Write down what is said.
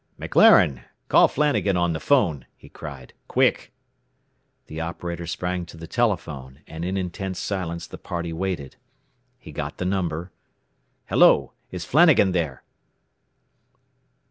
"McLaren, call Flanagan on the 'phone!" he cried. "Quick!" The operator sprang to the telephone, and in intense silence the party waited. He got the number. "Hello! Is Flanagan there?